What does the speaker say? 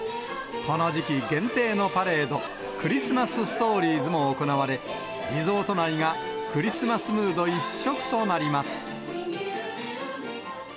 この時期限定のパレード、クリスマス・ストーリーズも行われ、リゾート内がクリスマスムード一色となります。